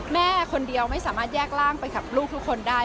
แม่คนเดียวไม่สามารถแยกร่างไปกับลูกทุกคนได้